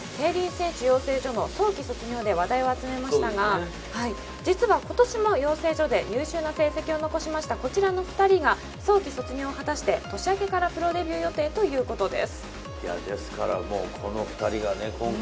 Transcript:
ちなみにこのレース３着だった寺崎選手、去年、競輪選手養成所の早期卒業で話題を集めましたが、実は今年の養成所で優秀な成績を残した、こちらの２人が早期卒業を果たして年明けからプロデビュー予定ということです。